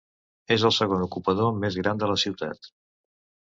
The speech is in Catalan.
És el segon ocupador més gran de la ciutat.